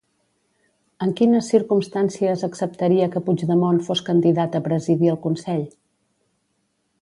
En quines circumstàncies acceptaria que Puigdemont fos candidat a presidir el consell?